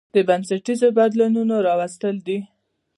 د بنسټيزو بدلونونو راوستل دي